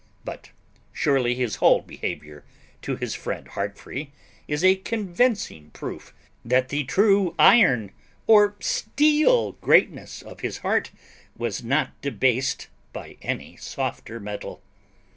But surely his whole behaviour to his friend Heartfree is a convincing proof that the true iron or steel greatness of his heart was not debased by any softer metal.